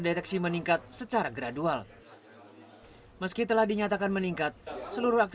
dan di sini kita akan belajar bagaimana menangkap dan menangkap penyakit